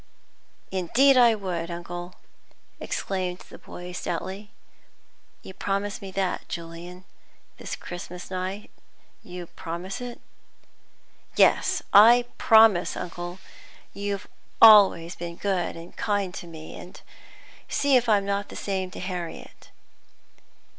"Indeed I would, uncle!" exclaimed the boy stoutly. "You promise me that, Julian, this Christmas night? you promise it?" "Yes, I promise, uncle. You've always been kind and good to me, and see if I'm not the same to Harriet."